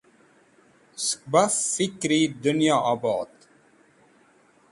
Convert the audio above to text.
Sẽk baf fikri dẽnyo obd.